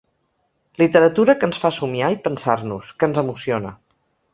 Literatura que ens fa somiar i pensar-nos, que ens emociona.